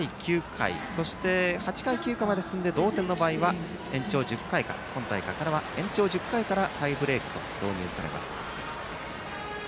８回、９回まで進んで同点の場合は今大会からは延長１０回からタイブレークが導入されます。